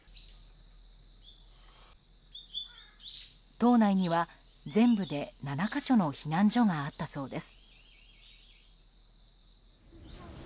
島内には全部で７か所の避難所があったそうです。